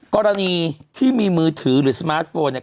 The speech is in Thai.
กรณีที่มีมือถือหรือสมาร์ทโฟนเนี่ย